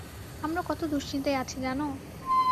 আমরা কত দুশ্চিন্তায় আছি জানো!